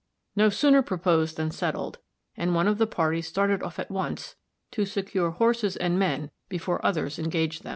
No sooner proposed than settled, and one of the party started off at once to secure horses and men before others engaged them.